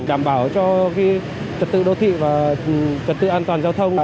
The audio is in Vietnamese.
đảm bảo cho trật tự đô thị và trật tự an toàn giao thông